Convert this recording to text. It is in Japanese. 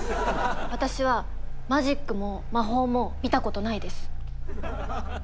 私はマジックも魔法も見たことないです。